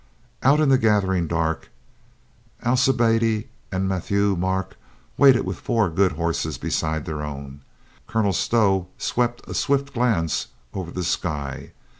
Out in the gathering dark Alcibiade and Mat thieu Marc waited with four good horses beside their own. Colonel Stow swept a swift glance over the sky.